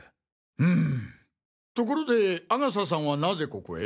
うむところで阿笠さんはなぜここへ？